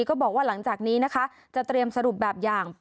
ก็บอกว่าหลังจากนี้นะคะจะเตรียมสรุปแบบอย่าง